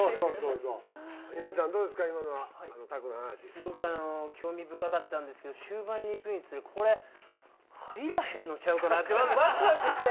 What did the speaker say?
すごく興味深かったんですけど終盤にいくにつれこれ入らへんのちゃうかなってワクワクしちゃいました。